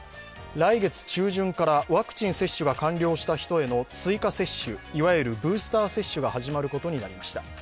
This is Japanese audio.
来月中旬からワクチン接種が完了した人への追加接種、いわゆるブースター接種が始まることになりました。